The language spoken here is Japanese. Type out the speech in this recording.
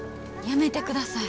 やめてください。